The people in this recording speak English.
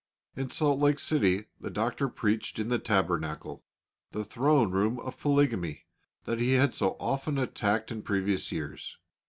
In Salt Lake City the Doctor preached in the Tabernacle, the throne room of polygamy, that he had so often attacked in previous years.